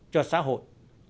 cho xã hội